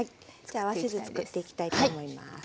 では合わせ酢作っていきたいと思います。